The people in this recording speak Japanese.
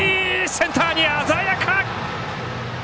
センターに鮮やか！